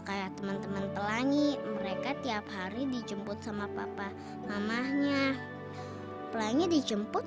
kayak teman teman pelangi mereka tiap hari dijemput sama papa mamahnya pelangi dijemput